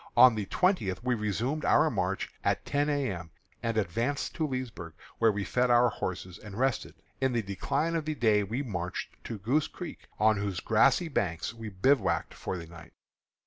On the twentieth we resumed our march at ten A. M., and advanced to Leesburg, where we fed our horses and rested. In the decline of the day we marched to Goose Creek, on whose grassy banks we bivouacked for the night.